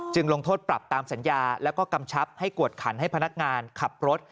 ลงโทษปรับตามสัญญาแล้วก็กำชับให้กวดขันให้พนักงานขับรถ